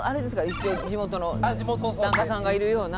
一応地元の檀家さんがいるような？